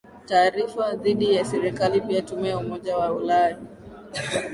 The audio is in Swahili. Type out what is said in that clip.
taarifa dhidi ya serekali Pia Tume ya Umoja wa Ulaya